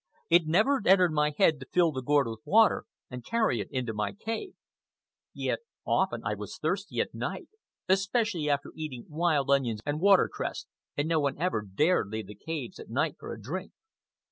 It never entered my head to fill the gourd with water and carry it into my cave. Yet often I was thirsty at night, especially after eating wild onions and watercress, and no one ever dared leave the caves at night for a drink.